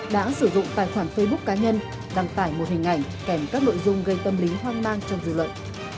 đã sử dụng tài khoản facebook cá nhân đăng tải một hình ảnh kèm các nội dung gây tâm lý hoang mang trong dự luận